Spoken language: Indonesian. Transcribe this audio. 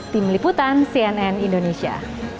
tim liputan cnn indonesia